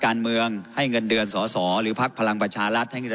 แค่เกดเตือนสหรือภลังบรัฏรัช์